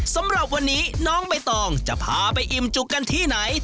สำหรับวันนี้น้องใบตองจะพาไปอิ่มจุกกันที่ไหน